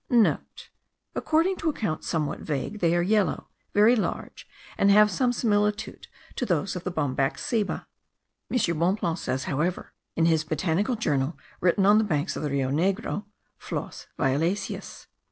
(* According to accounts somewhat vague, they are yellow, very large, and have some similitude to those of the Bombax ceiba. M. Bonpland says, however, in his botanical journal written on the banks of the Rio Negro, flos violaceus.